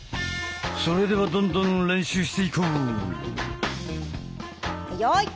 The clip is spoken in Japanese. それではどんどん練習していこう！用意。